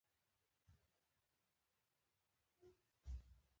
ميرويس خان وويل: ورته وواياست چې د مړو بې احترامې ښه نه ده.